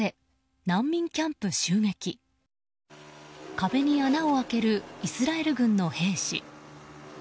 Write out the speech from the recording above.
壁に穴を開けるイスラエル軍の兵士。